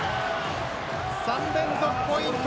３連続ポイント